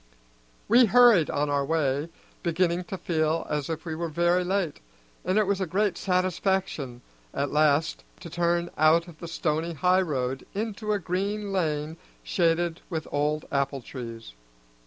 We hurried on our way, beginning to feel as if we were very late, and it was a great satisfaction at last to turn out of the stony highroad into a green lane shaded with old apple trees.